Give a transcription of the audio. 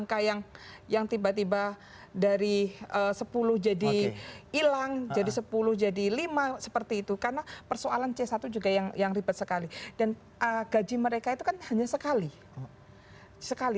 kebijakannya vice versa